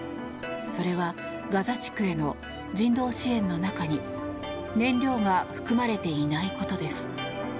それはガザ地区への人道支援の中に燃料が含まれていないことです。